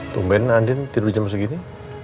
tungguin andien tidur jam segini